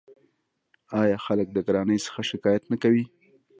آیا خلک د ګرانۍ څخه شکایت نه کوي؟